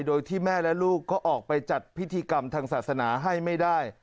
โดยที่แม่และลูกก็ออกไปจัดพิธีกรรมทางศาสนาให้ไม่ได้